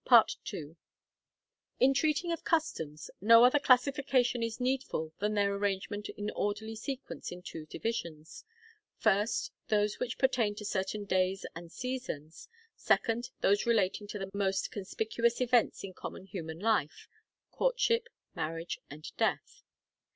II. In treating of customs, no other classification is needful than their arrangement in orderly sequence in two divisions: first, those which pertain to certain days and seasons; second, those relating to the most conspicuous events in common human life, courtship, marriage, and death.